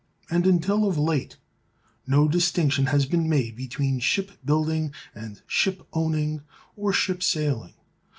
And until of late no distinction has been made between ship building and ship owning (or ship sailing).